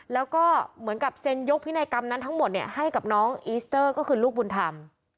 แล้วก็เหมือนกับเซ็นยกพินัยกรรมนั้นทั้งหมดให้กับน้องอีสเตอร์ก็คือลูกบุญธรรม